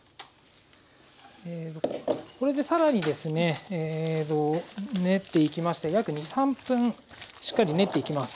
これで更にですね練っていきまして約２３分しっかり練っていきます。